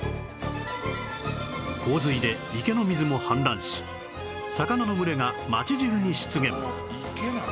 洪水で池の水も氾濫し魚の群れが街中に出現